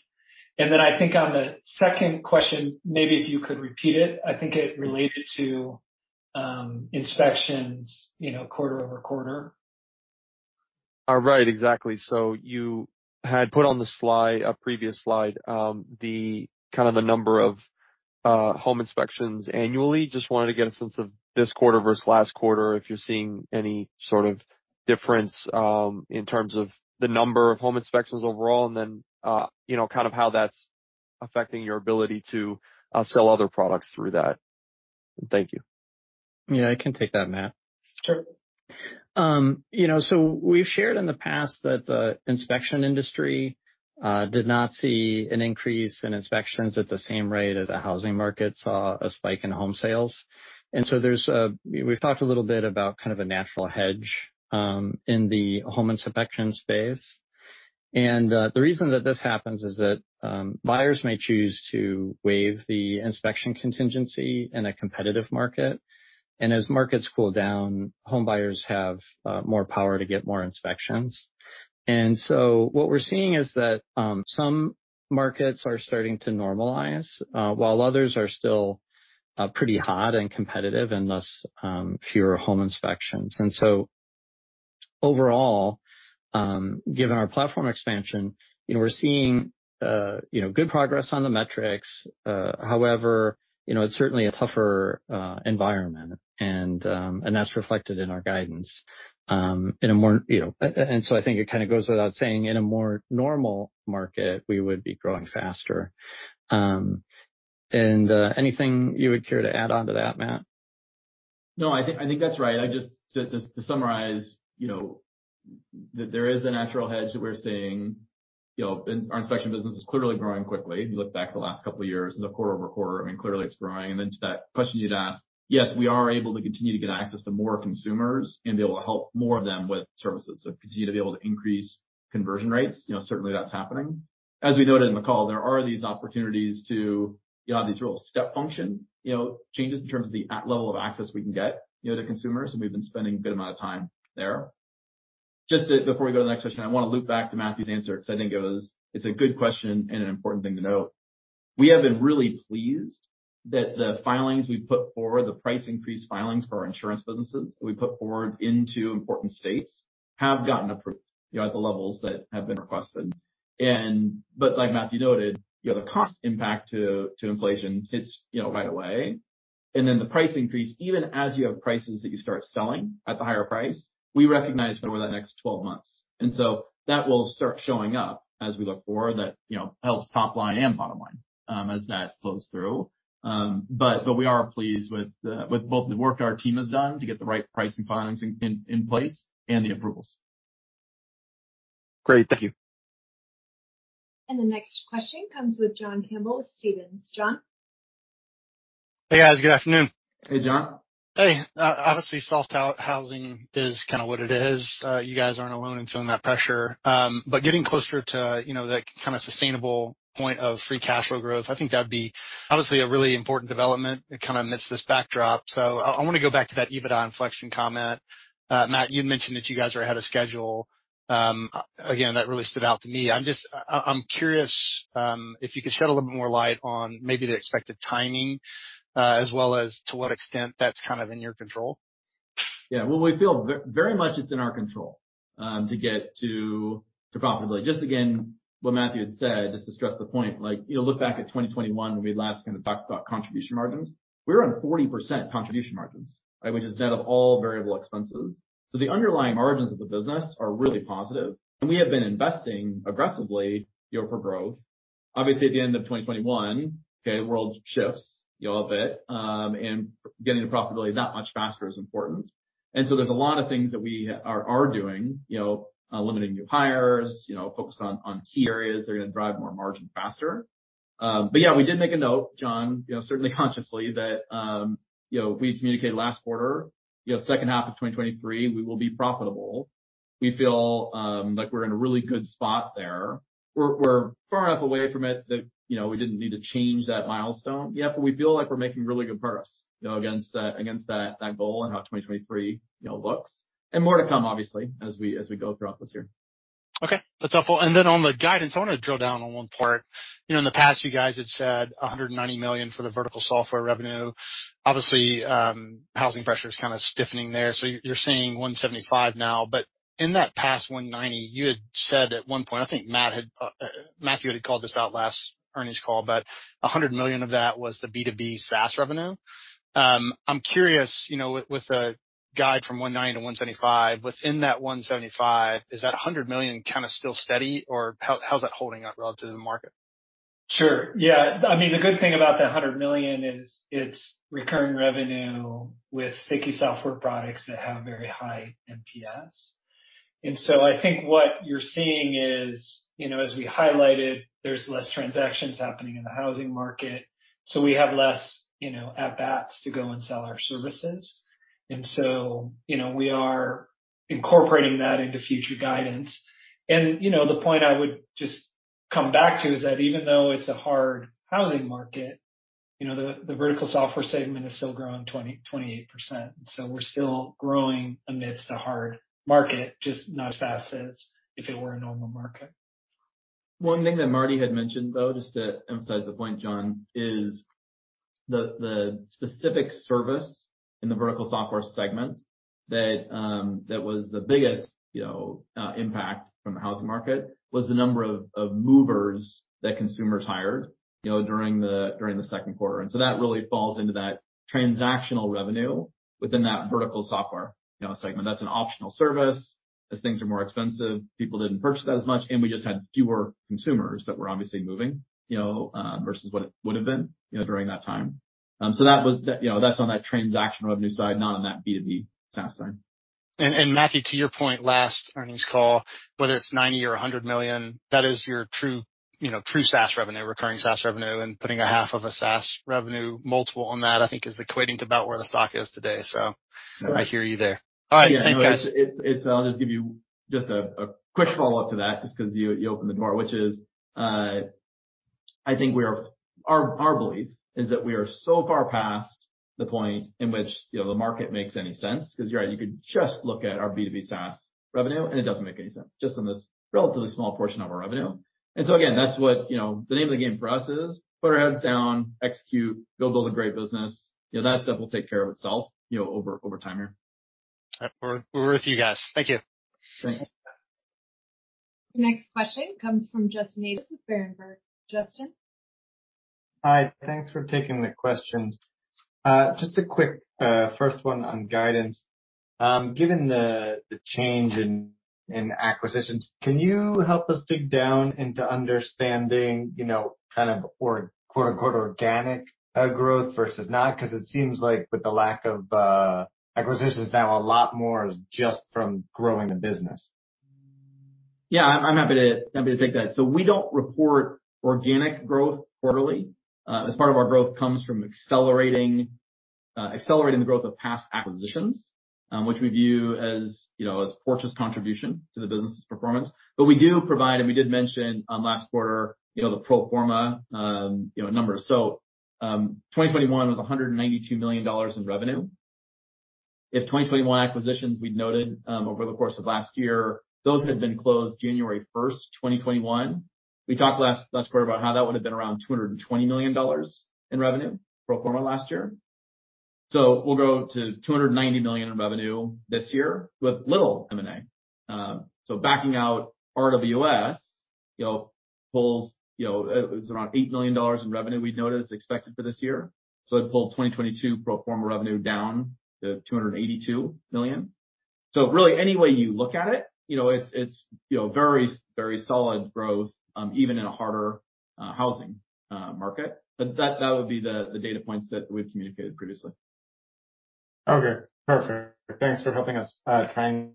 I think on the second question, maybe if you could repeat it. I think it related to, inspections, you know, quarter-over-quarter. Right. Exactly. You had put on the slide, a previous slide, the kind of the number of home inspections annually. Just wanted to get a sense of this quarter versus last quarter, if you're seeing any sort of difference in terms of the number of home inspections overall, and then you know, kind of how that's affecting your ability to sell other products through that. Thank you. Yeah, I can take that, Matt. Sure. You know, we've shared in the past that the inspection industry did not see an increase in inspections at the same rate as the housing market saw a spike in home sales. We've talked a little bit about kind of a natural hedge in the home inspection space. The reason that this happens is that buyers may choose to waive the inspection contingency in a competitive market. As markets cool down, home buyers have more power to get more inspections. What we're seeing is that some markets are starting to normalize while others are still pretty hot and competitive and thus fewer home inspections. Overall, given our platform expansion, you know, we're seeing, you know, good progress on the metrics. However, you know, it's certainly a tougher environment and that's reflected in our guidance in a more, you know, and so I think it kinda goes without saying, in a more normal market, we would be growing faster. Anything you would care to add on to that, Matt? No, I think that's right. I just, to summarize, you know- That there is a natural hedge that we're seeing. You know, our inspection business is clearly growing quickly. If you look back over the last couple of years quarter-over-quarter, I mean, clearly it's growing. To that question you'd asked, yes, we are able to continue to get access to more consumers and be able to help more of them with services. Continue to be able to increase conversion rates. You know, certainly that's happening. As we noted in the call, there are these opportunities to, you know, have these real step-function, you know, changes in terms of the level of access we can get, you know, to consumers, and we've been spending a good amount of time there. Just before we go to the next question, I wanna loop back to Matthew's answer because I think it was. It's a good question and an important thing to note. We have been really pleased that the filings we put forward, the price increase filings for our insurance businesses that we put forward into important states have gotten approved, you know, at the levels that have been requested. Like Matthew noted, you know, the cost impact to inflation hits, you know, right away. Then the price increase, even as you have prices that you start selling at the higher price, we recognize over that next 12 months. That will start showing up as we look forward that, you know, helps top line and bottom line, as that flows through. We are pleased with both the work our team has done to get the right pricing filings in place and the approvals. Great. Thank you. The next question comes with John Campbell with Stephens. John? Hey, guys. Good afternoon. Hey, John. Hey. Obviously, soft housing is kinda what it is. You guys aren't alone in feeling that pressure. But getting closer to, you know, that kinda sustainable point of free cash flow growth, I think that'd be obviously a really important development. It kinda amidst this backdrop. I wanna go back to that EBITDA inflection comment. Matt, you'd mentioned that you guys are ahead of schedule. Again, that really stood out to me. I'm just. I'm curious, if you could shed a little more light on maybe the expected timing, as well as to what extent that's kind of in your control. Yeah. Well, we feel very much it's in our control to get to profitability. Just again, what Matthew had said, just to stress the point, like, you know, look back at 2021 when we last kinda talked about contribution margins. We were on 40% contribution margins, right? Which is net of all variable expenses. So the underlying margins of the business are really positive, and we have been investing aggressively, you know, for growth. Obviously, at the end of 2021, okay, the world shifts, you know, a bit, and getting to profitability that much faster is important. There's a lot of things that we are doing, you know, limiting new hires, you know, focused on key areas that are gonna drive more margin faster. We did make a note, John, you know, certainly consciously that, you know, we had communicated last quarter, you know, second half of 2023, we will be profitable. We feel like we're in a really good spot there. We're far enough away from it that, you know, we didn't need to change that milestone yet, but we feel like we're making really good progress, you know, against that goal and how 2023, you know, looks. More to come, obviously, as we go throughout this year. Okay. That's helpful. Then on the guidance, I wanna drill down on one part. You know, in the past, you guys had said $190 million for the vertical software revenue. Obviously, housing pressure is kinda stiffening there. You're seeing $175 now. In that past $190, you had said at one point, I think Matt had, Matthew had called this out last earnings call, but $100 million of that was the B2B SaaS revenue. I'm curious, you know, with a guide from $190 to $175, within that $175, is that $100 million kinda still steady, or how is that holding up relative to the market? Sure. Yeah. I mean, the good thing about that $100 million is it's recurring revenue with sticky software products that have very high NPS. I think what you're seeing is, you know, as we highlighted, there's less transactions happening in the housing market, so we have less, you know, at bats to go and sell our services. You know, we are incorporating that into future guidance. You know, the point I would just come back to is that even though it's a hard housing market, you know, the vertical software segment is still growing 20%-28%. We're still growing amidst a hard market, just not as fast as if it were a normal market. One thing that Marty had mentioned, though, just to emphasize the point, John, is the specific service in the vertical software segment that was the biggest, you know, impact from the housing market was the number of movers that consumers hired, you know, during the second quarter. That really falls into that transactional revenue within that vertical software, you know, segment. That's an optional service. As things are more expensive, people didn't purchase it as much, and we just had fewer consumers that were obviously moving, you know, versus what it would have been, you know, during that time. That's on that transaction revenue side, not on that B2B SaaS side. Matthew, to your point last earnings call, whether it's $90 million or $100 million, that is your true, you know, true SaaS revenue, recurring SaaS revenue, and putting a half of a SaaS revenue multiple on that, I think, is equating to about where the stock is today. Right. I hear you there. <crosstalk> All right. Thanks, guys. Yeah. No, it's. I'll just give you a quick follow-up to that, just 'cause you opened the door, which is, I think our belief is that we are so far past the point in which, you know, the market makes any sense. 'Cause you're right, you could just look at our B2B SaaS revenue, and it doesn't make any sense, just on this relatively small portion of our revenue. Again, that's what, you know, the name of the game for us is put our heads down, execute, go build a great business. You know, that stuff will take care of itself, you know, over time here. All right. We're with you guys. Thank you. Sure. The next question comes from Justin Ages with Berenberg. Justin? Hi. Thanks for taking the questions. Just a quick first one on guidance. Given the change in acquisitions, can you help us dig down into understanding, you know, kind of quote-unquote organic growth versus not? 'Cause it seems like with the lack of acquisitions now a lot more is just from growing the business. I'm happy to take that. We don't report organic growth quarterly, as part of our growth comes from accelerating the growth of past acquisitions, which we view as, you know, Porch's contribution to the business's performance. We do provide, and we did mention on last quarter, you know, the pro forma numbers. 2021 was $192 million in revenue. If 2021 acquisitions we'd noted over the course of last year, those had been closed January 1, 2021. We talked last quarter about how that would have been around $220 million in revenue pro forma last year. We'll go to $290 million in revenue this year with little M&A. Backing out RWS, you know, pulls, you know, it was around $8 million in revenue we'd noted as expected for this year. It pulled 2022 pro forma revenue down to $282 million. Really any way you look at it, you know, it's very solid growth, even in a harder housing market. That would be the data points that we've communicated previously. Okay, perfect. Thanks for helping us try and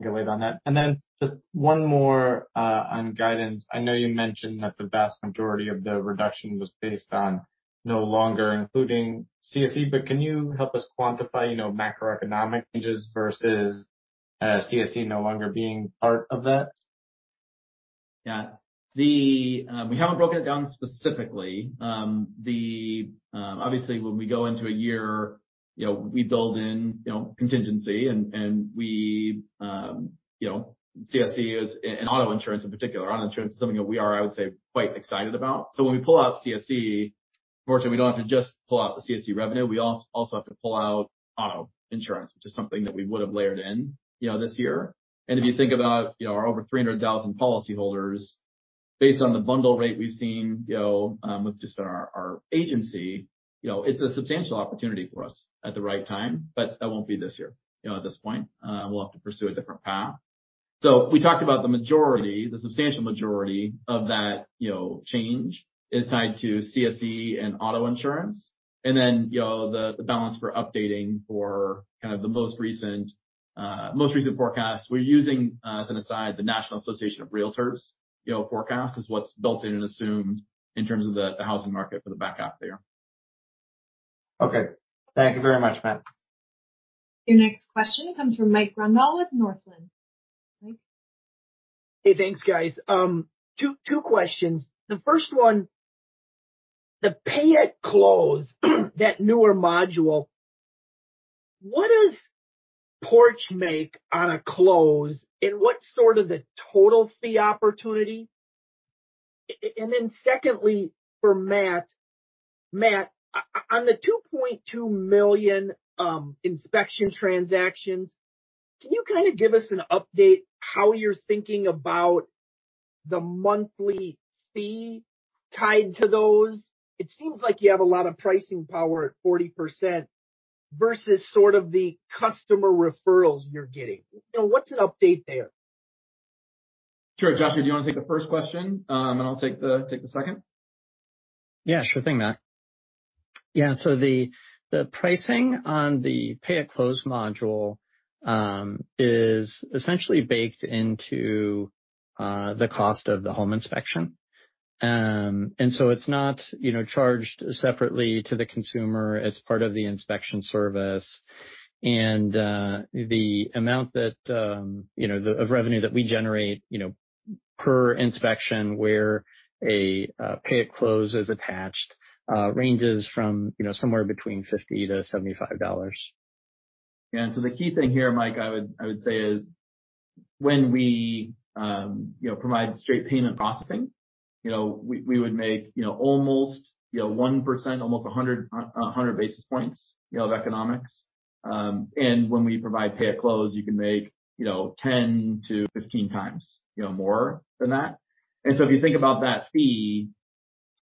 get a read on that. Then just one more on guidance. I know you mentioned that the vast majority of the reduction was based on no longer including CSE, but can you help us quantify, you know, macroeconomic changes versus CSE no longer being part of that? Yeah. We haven't broken it down specifically. Obviously, when we go into a year, you know, we build in, you know, contingency and we, you know, CSE is an auto insurance in particular. Auto insurance is something that we are, I would say, quite excited about. So when we pull out CSE, unfortunately we don't have to just pull out the CSE revenue, we also have to pull out auto insurance, which is something that we would have layered in, you know, this year. If you think about, you know, our over 300,000 policy holders based on the bundle rate we've seen, you know, with just our agency, you know, it's a substantial opportunity for us at the right time, but that won't be this year, you know, at this point. We'll have to pursue a different path. We talked about the majority, the substantial majority of that, you know, change is tied to CSE and auto insurance. Then, you know, the balance for updating for kind of the most recent forecast we're using, as an aside, the National Association of Realtors, you know, forecast is what's built in and assumed in terms of the housing market for the back half there. Okay. Thank you very much, Matt. Your next question comes from Mike Grondahl with Northland. Mike? Hey, thanks, guys. Two questions. The first one, the Pay at Close, that newer module, what does Porch make on a close and what's sort of the total fee opportunity? Then secondly, for Matt. Matt, on the 2.2 million inspection transactions, can you kinda give us an update how you're thinking about the monthly fee tied to those? It seems like you have a lot of pricing power at 40% versus sort of the customer referrals you're getting. You know, what's an update there? Sure. Joshua, do you wanna take the first question, and I'll take the second? Yeah, sure thing, Matt. Yeah. The pricing on the Pay at Close module is essentially baked into the cost of the home inspection. It's not, you know, charged separately to the consumer. It's part of the inspection service. The amount of revenue that we generate, you know, per inspection where a Pay at Close is attached ranges from, you know, somewhere between $50-$75. The key thing here, Mike, I would say is when we provide straight payment processing, you know, we would make, you know, almost 1%, almost 100 basis points, you know, of economics. When we provide Pay at Close, you can make, you know, 10-15 times, you know, more than that. If you think about that fee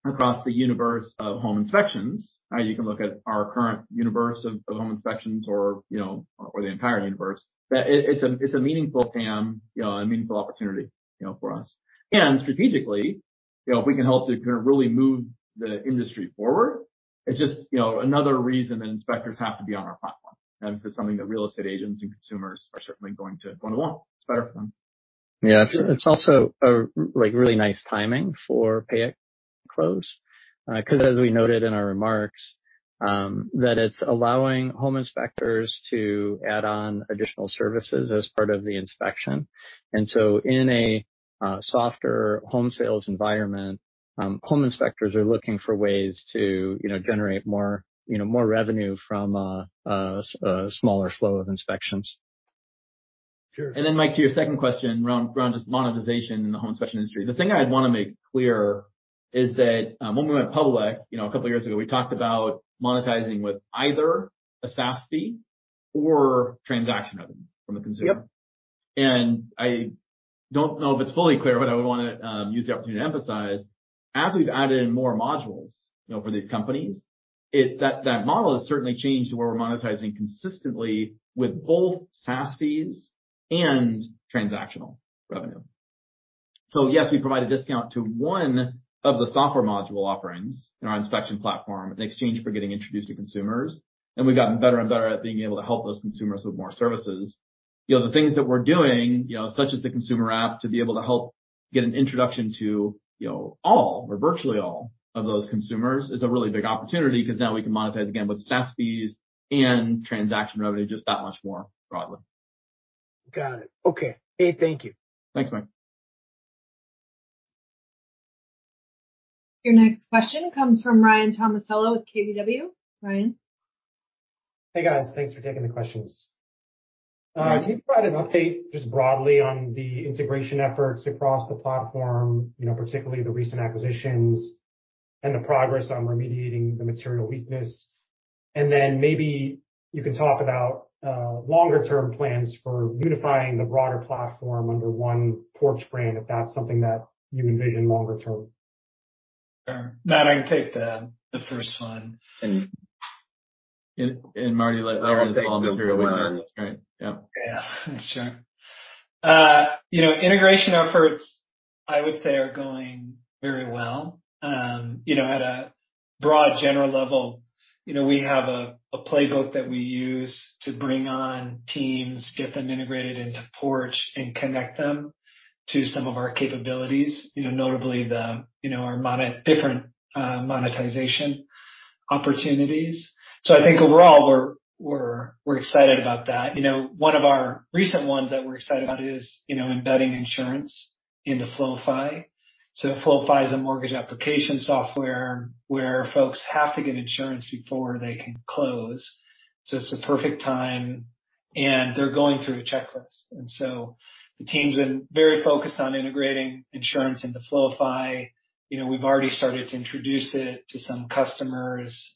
across the universe of home inspections, you can look at our current universe of home inspections or the entire universe, it's a meaningful TAM, you know, a meaningful opportunity, you know, for us. Strategically, you know, if we can help to kind of really move the industry forward, it's just, you know, another reason inspectors have to be on our platform and for something that real estate agents and consumers are certainly going to wanna want. It's better for them. Yeah. It's also a, like, really nice timing for Pay at Close, 'cause as we noted in our remarks, that it's allowing home inspectors to add on additional services as part of the inspection. It's a softer home sales environment, home inspectors are looking for ways to, you know, generate more, you know, more revenue from a smaller flow of inspections. Sure. Mike, to your second question around just monetization in the home inspection industry. The thing I'd wanna make clear is that, when we went public, you know, a couple of years ago, we talked about monetizing with either a SaaS fee or transaction revenue from a consumer. Yep. I don't know if it's fully clear, but I would wanna use the opportunity to emphasize, as we've added more modules, you know, for these companies, that model has certainly changed to where we're monetizing consistently with both SaaS fees and transactional revenue. Yes, we provide a discount to one of the software module offerings in our inspection platform in exchange for getting introduced to consumers. We've gotten better and better at being able to help those consumers with more services. You know, the things that we're doing, you know, such as the consumer app, to be able to help get an introduction to, you know, all or virtually all of those consumers is a really big opportunity 'cause now we can monetize again with SaaS fees and transaction revenue just that much more broadly. Got it. Okay. Hey, thank you. Thanks, Mike. Your next question comes from Ryan Tomasello with KBW. Ryan? Hey, guys. Thanks for taking the questions. Can you provide an update just broadly on the integration efforts across the platform, you know, particularly the recent acquisitions and the progress on remediating the material weakness? Maybe you can talk about longer-term plans for unifying the broader platform under one Porch brand, if that's something that you envision longer term. Sure. Matt, I can take the first one. Marty, I wanna follow through with yours, right? Yeah. Yeah, sure. You know, integration efforts, I would say are going very well. You know, at a broad general level, you know, we have a playbook that we use to bring on teams, get them integrated into Porch, and connect them to some of our capabilities. You know, notably the, you know, our different monetization opportunities. I think overall, we're excited about that. You know, one of our recent ones that we're excited about is, you know, embedding insurance into Floify. Floify is a mortgage application software where folks have to get insurance before they can close, so it's the perfect time, and they're going through a checklist. The team's been very focused on integrating insurance into Floify. You know, we've already started to introduce it to some customers,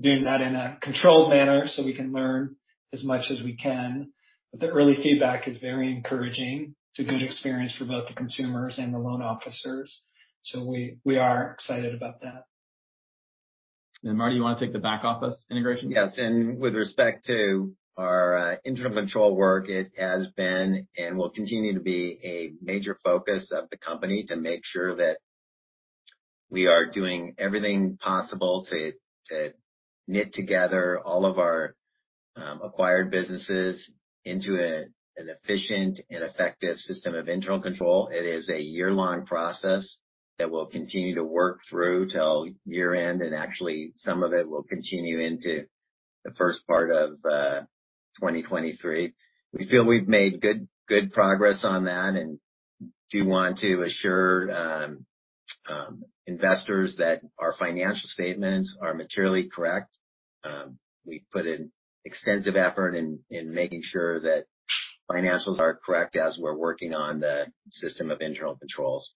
doing that in a controlled manner so we can learn as much as we can. The early feedback is very encouraging. It's a good experience for both the consumers and the loan officers, so we are excited about that. Marty, you wanna take the back office integration? Yes. With respect to our internal control work, it has been and will continue to be a major focus of the company to make sure that we are doing everything possible to knit together all of our acquired businesses into an efficient and effective system of internal control. It is a year-long process that we'll continue to work through till year-end, and actually, some of it will continue into the first part of 2023. We feel we've made good progress on that and do want to assure investors that our financial statements are materially correct. We've put in extensive effort in making sure that financials are correct as we're working on the system of internal controls.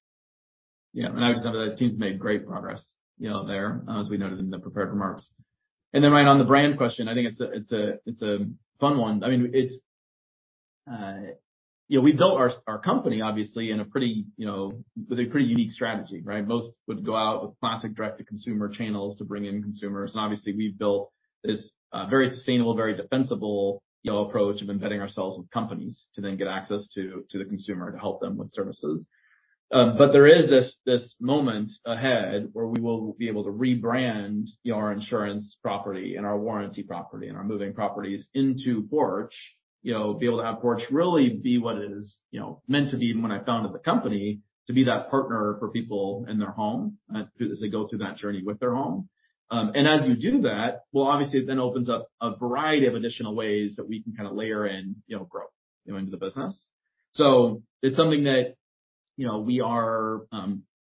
I would say that team's made great progress, you know, there, as we noted in the prepared remarks. Ryan, on the brand question, I think it's a fun one. I mean, it's. You know, we built our company obviously in a pretty, you know, with a pretty unique strategy, right? Most would go out with classic direct-to-consumer channels to bring in consumers, and obviously, we've built this very sustainable, very defensible, you know, approach of embedding ourselves with companies to then get access to the consumer to help them with services. There is this moment ahead where we will be able to rebrand, you know, our insurance property and our warranty property and our moving properties into Porch. You know, be able to have Porch really be what it is, you know, meant to be even when I founded the company, to be that partner for people in their home, as they go through that journey with their home. As you do that, well, obviously it then opens up a variety of additional ways that we can kinda layer in, you know, growth, you know, into the business. It's something that, you know, we are,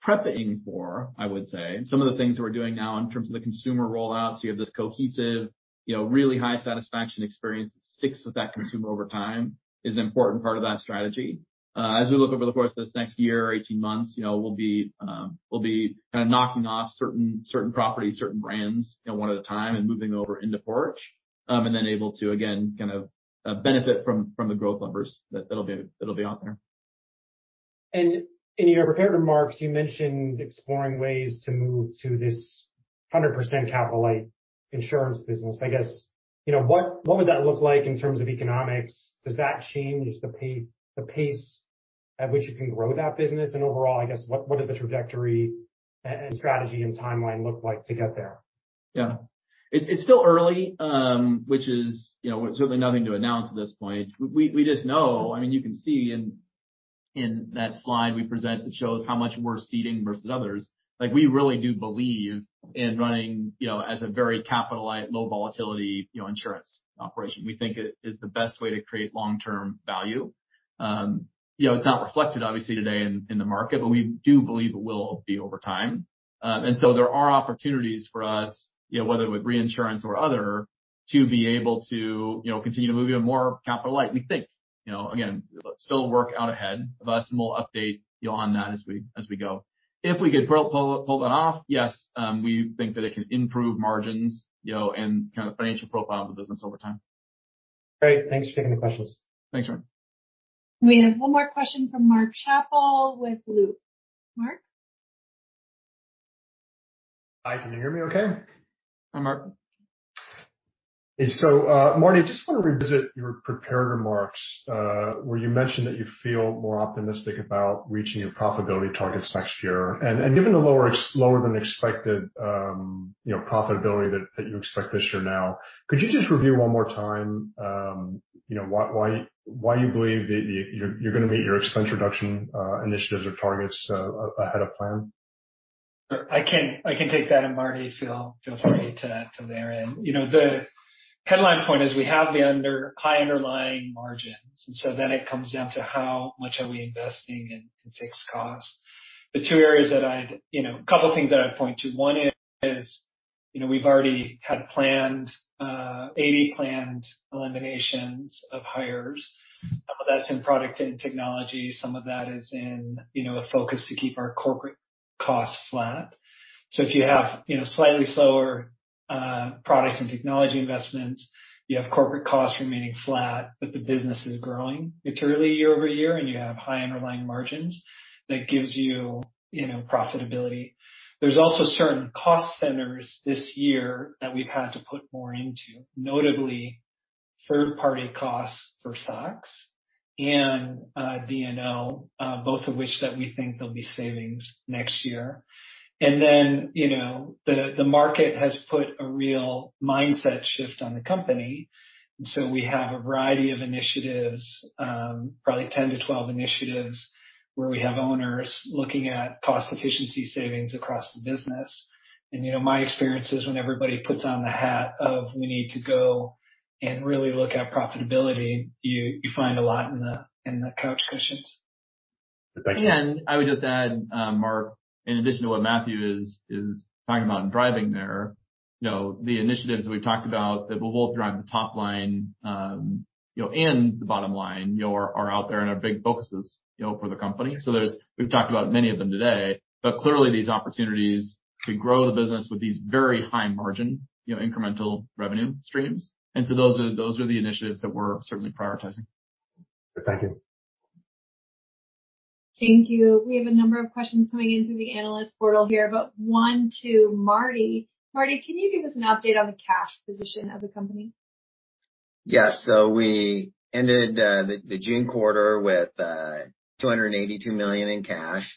prepping for, I would say. Some of the things that we're doing now in terms of the consumer rollout, so you have this cohesive, you know, really high satisfaction experience that sticks with that consumer over time is an important part of that strategy. As we look over the course of this next year or 18 months, you know, we'll be kinda knocking off certain properties, certain brands, you know, one at a time and moving them over into Porch, and then able to again kind of benefit from the growth levers that'll be out there. In your prepared remarks, you mentioned exploring ways to move to this 100% capital light insurance business. I guess, you know, what would that look like in terms of economics? Does that change the pace at which you can grow that business? Overall, I guess, what does the trajectory and strategy and timeline look like to get there? Yeah. It's still early, which is, you know, certainly nothing to announce at this point. We just know. I mean, you can see in that slide we present, it shows how much we're ceding versus others. Like, we really do believe in running, you know, as a very capital light, low volatility, you know, insurance operation. We think it is the best way to create long-term value. You know, it's not reflected obviously today in the market, but we do believe it will be over time. There are opportunities for us, you know, whether with reinsurance or other, to be able to, you know, continue to move even more capital light, we think. You know, again, still work out ahead of us, and we'll update you on that as we go. If we could pull that off, yes, we think that it can improve margins, you know, and kind of financial profile of the business over time. Great. Thanks for taking the questions. Thanks, Ryan. We have one more question from Mark Schappel with Loop. Mark? Hi, can you hear me okay? Hi, Mark. Marty, I just want to revisit your prepared remarks where you mentioned that you feel more optimistic about reaching your profitability targets next year. Given the lower than expected profitability that you expect this year now, could you just review one more time you know why you believe that you're gonna meet your expense reduction initiatives or targets ahead of plan? I can take that, and Marty, feel free to layer in. You know, the headline point is we have high underlying margins. It comes down to how much are we investing in fixed costs. You know, a couple things that I'd point to. One is, you know, we've already planned 80 eliminations of hires. Some of that's in product and technology. Some of that is in, you know, a focus to keep our corporate costs flat. If you have, you know, slightly slower product and technology investments, you have corporate costs remaining flat, but the business is growing materially year-over-year, and you have high underlying margins, that gives you know, profitability. There's also certain cost centers this year that we've had to put more into, notably third-party costs for SOX and D&O, both of which that we think there'll be savings next year. You know, the market has put a real mindset shift on the company. We have a variety of initiatives, probably 10-12 initiatives, where we have owners looking at cost efficiency savings across the business. You know, my experience is when everybody puts on the hat of we need to go and really look at profitability, you find a lot in the couch cushions. Thank you. I would just add, Mark, in addition to what Matthew is talking about and driving there, you know, the initiatives that we've talked about that will both drive the top line, you know, and the bottom line, you know, are out there and are big focuses, you know, for the company. So there's. We've talked about many of them today. Clearly these opportunities to grow the business with these very high margin, you know, incremental revenue streams. Those are the initiatives that we're certainly prioritizing. Thank you. Thank you. We have a number of questions coming into the analyst portal here, but one to Marty. Marty, can you give us an update on the cash position of the company? Yeah. We ended the June quarter with $282 million in cash.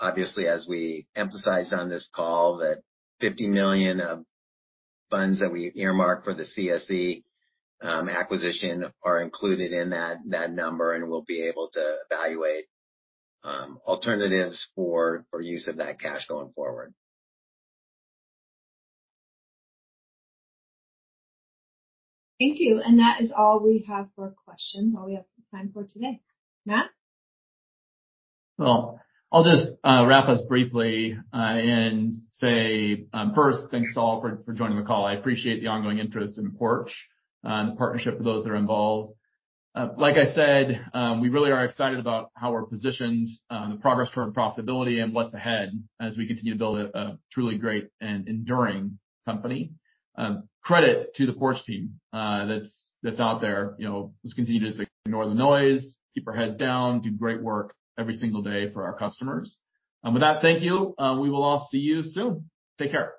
Obviously, as we emphasized on this call, that $50 million of funds that we earmarked for the CSE acquisition are included in that number. We'll be able to evaluate alternatives for use of that cash going forward. Thank you. That is all we have for questions, all we have time for today. Matt? Well, I'll just wrap us briefly and say, first, thanks to all for joining the call. I appreciate the ongoing interest in Porch and the partnership with those that are involved. Like I said, we really are excited about how we're positioned, the progress toward profitability and what's ahead as we continue to build a truly great and enduring company. Credit to the Porch team that's out there. You know, let's continue to just ignore the noise, keep our heads down, do great work every single day for our customers. With that, thank you. We will all see you soon. Take care.